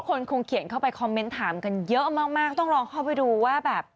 คนคงเขียนเข้าไปคอมเมนต์ถามกันเยอะมากต้องลองเข้าไปดูว่าแบบ